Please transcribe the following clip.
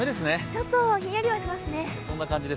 ちょっとひんやりはしますね。